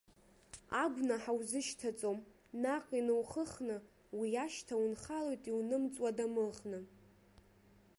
Агәнаҳа узышьҭаҵом наҟ иноухыхны, уи ашьҭа унхалоит иунымҵуа дамыӷны.